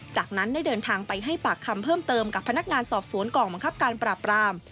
จากนั้นได้เดินทางไปให้ปากคำเพิ่มเติมกับพนักงานสอบสวนกองบังคับการปราบราม